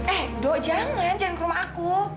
eh dok jangan jangan ke rumah aku